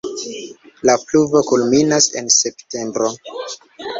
La pluvo kulminas en septembro.